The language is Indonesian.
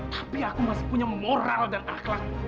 tapi aku masih punya moral dan akhlak